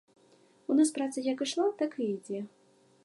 У нас праца як ішла, так і ідзе.